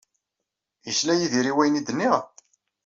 Yesla Yidir i wayen ay d-nniɣ?